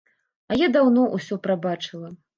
А я даўно ўсё прабачыла.